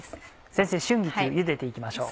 先生春菊茹でて行きましょう。